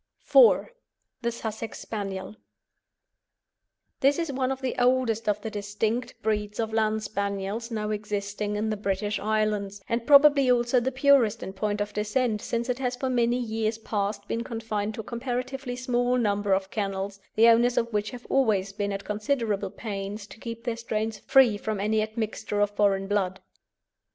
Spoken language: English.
IV. THE SUSSEX SPANIEL. This is one of the oldest of the distinct breeds of Land Spaniels now existing in the British Islands, and probably also the purest in point of descent, since it has for many years past been confined to a comparatively small number of kennels, the owners of which have always been at considerable pains to keep their strains free from any admixture of foreign blood.